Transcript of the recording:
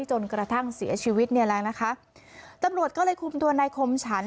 จนกระทั่งเสียชีวิตเนี่ยแล้วนะคะตำรวจก็เลยคุมตัวนายคมฉัน